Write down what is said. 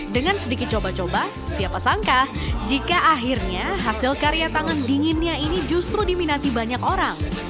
dengan sedikit coba coba siapa sangka jika akhirnya hasil karya tangan dinginnya ini justru diminati banyak orang